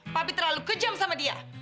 papi terlalu kejam sama dia